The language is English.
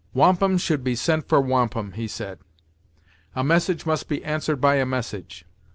"Wampum should be sent for wampum," he said; "a message must be answered by a message.